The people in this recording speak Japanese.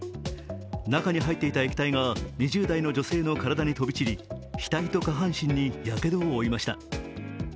中に入っていた液体が２０代の女性の体に飛び散り、額と下半身にやけどを負いました。